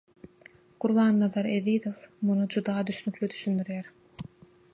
Gurbannazar Ezizow muny juda düşnükli düşündirýär